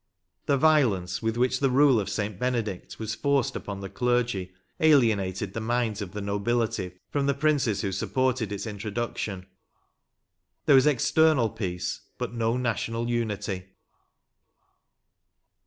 The violence with which the rule of St. Benedict was forced upon the clergy, alienated the minds of the nobihty from the princes who supported its introduction; there was external peace, but no national unity.